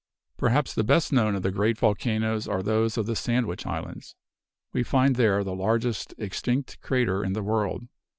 Perhaps the best known of the great volcanoes are those of the Sandwich Islands. We find there the largest extinct crater in the world.